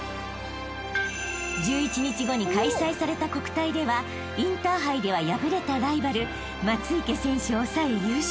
［１１日後に開催された国体ではインターハイでは敗れたライバル松生選手を抑え優勝］